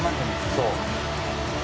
そう。